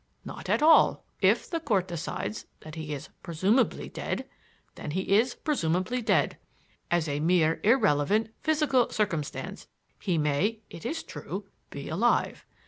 "Not at all. If the Court decides that he is presumably dead, then he is presumably dead. As a mere irrelevant, physical circumstance he may, it is true, be alive.